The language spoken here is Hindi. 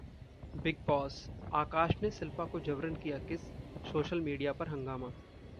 Bigg Boss: आकाश ने शिल्पा को जबरन किया किस, सोशल मीडिया पर हंगामा